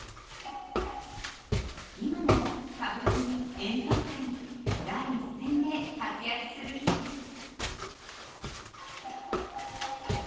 今も歌舞伎に演奏会に第一線で活躍する日々です。